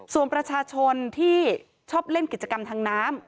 ส่วนประชาชนที่ชอบเล่นกิจกรรมทางน้ำ